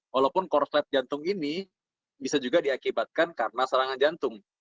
walaupun korslet jantung ini bisa juga diakibatkan karena serangan jantung